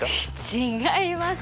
違います。